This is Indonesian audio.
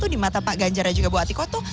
di mata pak ganjarajuga buatiko